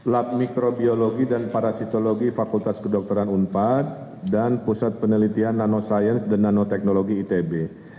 lab mikrobiologi dan parasitologi fakultas kedokteran unpad dan pusat penelitian nanoscience dan nanoteknologi itb